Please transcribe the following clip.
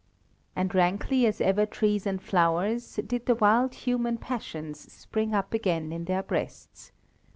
And rankly as ever trees and flowers did the wild human passions spring up again in their breasts.